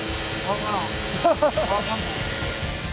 分かんないです。